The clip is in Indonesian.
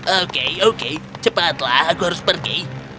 oke oke cepatlah aku harus pergi